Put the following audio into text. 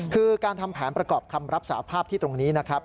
คือการทำแผนประกอบคำรับสาภาพที่ตรงนี้นะครับ